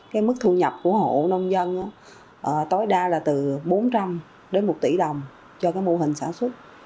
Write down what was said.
cái mức thu nhập của hộ nông dân tối đa là từ bốn trăm linh đến một tỷ đồng cho cái mô hình sản xuất